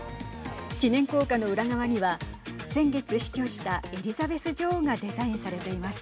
記念硬貨の裏側には先月、死去したエリザベス女王がデザインされています。